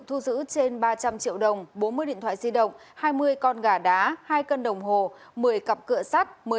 thu giữ trên ba trăm linh triệu đồng bốn mươi điện thoại di động hai mươi con gà đá hai cân đồng hồ một mươi cặp cửa sắt